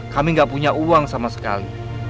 kami nggak punya uang sama sekali